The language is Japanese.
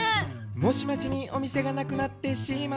「もし町にお店がなくなってしまったら？」